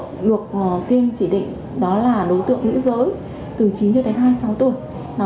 đối tượng được tiêm chỉ định đó là đối tượng nữ giới từ chín cho đến hai mươi sáu tuổi